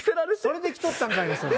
それで着とったんかいなそれ！